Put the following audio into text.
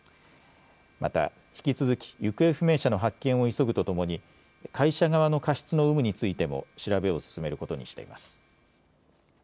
また引き続き行方不明者の発見を急ぐとともに会社側の過失の有無についても調べを進めることにしています。